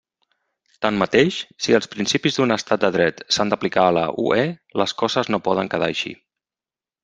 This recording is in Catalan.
Tanmateix si els principis d'un estat de dret s'han d'aplicar a la UE, les coses no poden quedar així.